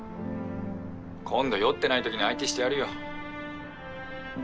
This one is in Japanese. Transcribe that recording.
今度酔ってない時に相手してやるよ。